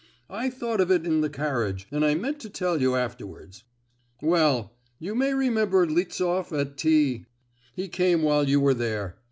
I thought of it in the carriage, and meant to tell you afterwards. Well! you may remember Liftsoff at T——. He came while you were there.